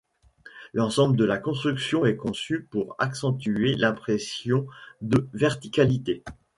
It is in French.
L'ensemble de la construction est conçu pour accentuer l'impression de verticalité.